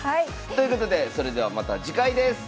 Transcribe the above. ということでそれではまた次回です。